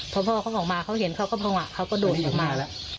พอพ่อเขาออกมาเขาเห็นเขาก็พังะเขาก็โดดออกมาแล้ว